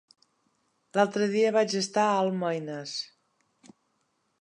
L'altre dia vaig estar a Almoines.